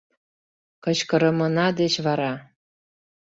Кычкырымына деч вара...